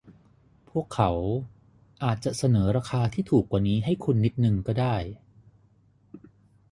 พวกเขาอาจจะเสนอราคาที่ถูกกว่านี้ให้คุณนิดนึงก็ได้